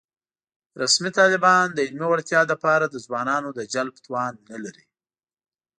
رسمي طالبان د علمي وړتیا له پاره د ځوانانو د جلب توان نه لري